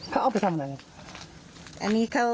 เขาเอาไปทำไหน